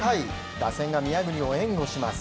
打線が宮國を援護します。